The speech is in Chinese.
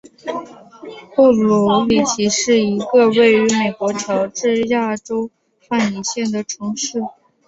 布卢里奇是一个位于美国乔治亚州范宁县的城市。